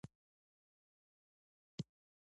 افغانستان د خپل تاریخ درناوی کوي.